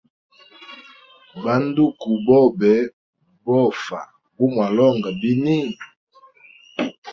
Ba nduku bobe bofa gumwalonganga bini.